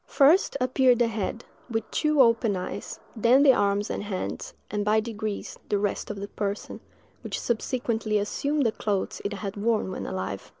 First appeared the head, with two open eyes, then the arms and hands, and, by degrees, the rest of the person, which subsequently assumed the clothes it had worn when alive!